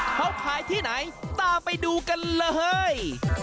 เขาขายที่ไหนตามไปดูกันเลย